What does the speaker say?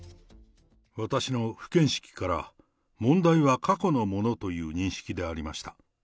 私の不見識から、問題は過去のものという認識でありました。